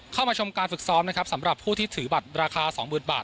เข้ามาชมการฝึกซ้อมนะครับสำหรับผู้ที่ถือบัตรราคา๒๐๐๐บาท